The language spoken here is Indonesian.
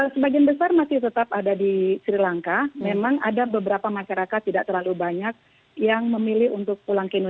sebagian besar masih tetap ada di sri lanka memang ada beberapa masyarakat tidak terlalu banyak yang memilih untuk pulang ke indonesia